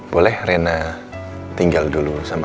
boleh rena tinggal dulu sama saya di rumah